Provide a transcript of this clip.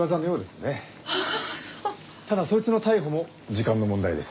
ただそいつの逮捕も時間の問題です。